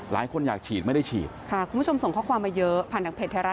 รอดที่แบบมีจำนวนอยู่แล้วนะ